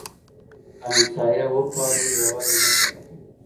که همسایه وپالو نو یوازې نه پاتې کیږو.